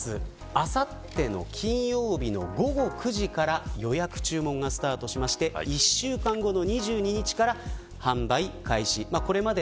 あさっての金曜日の午後９時から予約注文がスタートして１週間後の２２日から販売開始になります。